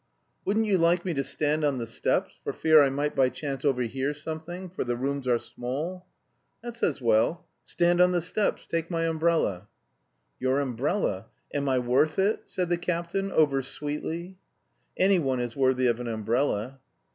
"Wouldn't you like me to stand on the steps... for fear I might by chance overhear something... for the rooms are small?" "That's as well. Stand on the steps. Take my umbrella." "Your umbrella.... Am I worth it?" said the captain over sweetly. "Anyone is worthy of an umbrella."